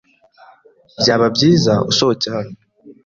Byaba byiza usohotse hano.